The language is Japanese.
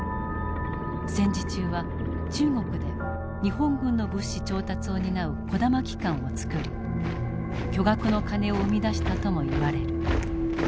戦時中は中国で日本軍の物資調達を担う児玉機関を作り巨額の金を生み出したともいわれる。